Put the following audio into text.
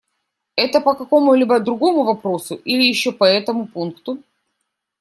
Это по какому-либо другому вопросу или еще по этому пункту?